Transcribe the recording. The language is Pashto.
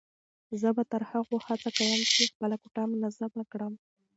زه به تر هغو هڅه کوم چې خپله کوټه منظمه کړم.